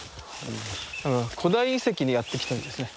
古代遺跡にやって来たみたいですね。